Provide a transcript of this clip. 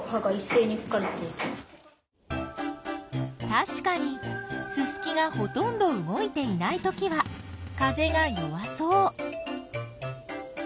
たしかにススキがほとんど動いていないときは風が弱そう。